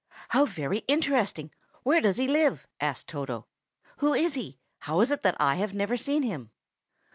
"How very interesting! Where does he live?" asked Toto. "Who is he? How is it that I have never seen him?"